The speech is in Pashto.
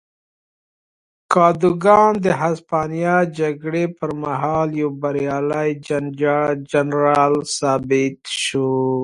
کادوګان د هسپانیا جګړې پر مهال یو بریالی جنرال ثابت شو.